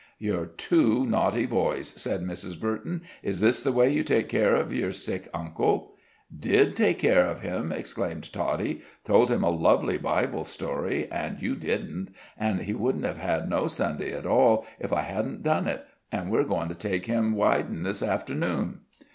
"You're two naughty boys," said Mrs. Burton. "Is this the way you take care of your sick uncle?" "Did take care of him," exclaimed Toddie; "told him a lovely Bible story, an' you didn't, an' he wouldn't have had no Sunday at all if I hadn't done it. An' we's goin' to take him widin' this afternoon."